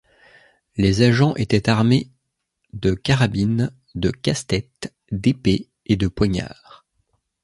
Les agents étaient armés de carabines, de casse-tête, d’épées et de poignards.